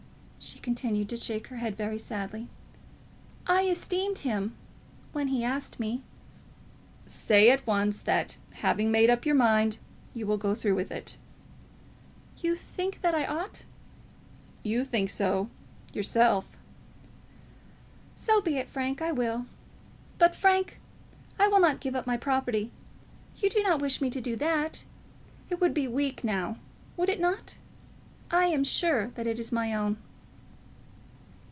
She continued to shake her head very sadly. "I esteemed him, when he asked me." "Say at once that, having made up your mind, you will go through with it." "You think that I ought?" "You think so, yourself." "So be it, Frank. I will. But, Frank, I will not give up my property. You do not wish me to do that. It would be weak, now; would it not? I am sure that it is my own."